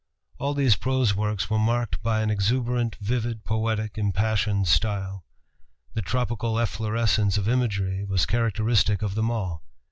All these prose works were marked by an exuberant, vivid, poetic, impassioned style. The tropical efflorescence of imagery was characteristic of them all.